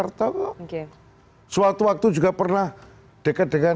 berdua dengan mas erlangga artarto suatu waktu juga pernah dekat dengan